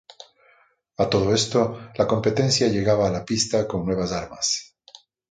A todo esto, la competencia llegaba a la pista con nuevas armas.